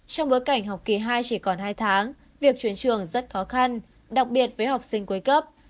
trong bối cảnh học kỳ hai chỉ còn hai tháng việc chuyển trường rất khó khăn đặc biệt với học sinh cuối cấp